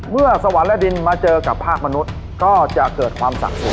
เมื่อสวรรค์และดินมาเจอกับภาคมนุษย์ก็จะเกิดความสะสม